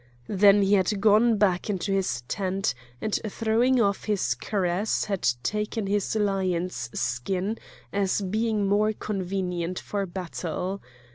Then he had gone back into his tent, and throwing off his cuirass had taken his lion's skin as being more convenient for battle.